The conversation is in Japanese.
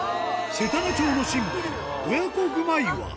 せたが町のシンボル、親子熊岩。